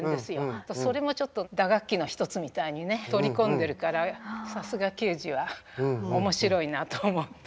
それもちょっと打楽器の一つみたいにね取り込んでるからさすがケージは面白いなと思って。